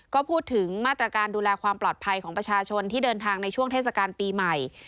ก็พูดถึงมาตรการดูแลความปลอดภัยของประชาชนที่เดินทางในช่วงเทศกาลปีใหม่